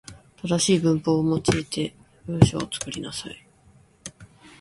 正しい文法を用いて文章を作りなさい。